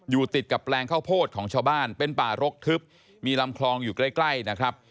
ติดกับแปลงข้าวโพดของชาวบ้านเป็นป่ารกทึบมีลำคลองอยู่ใกล้ใกล้นะครับ